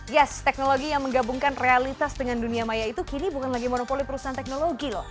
yes teknologi yang menggabungkan realitas dengan dunia maya itu kini bukan lagi monopoli perusahaan teknologi loh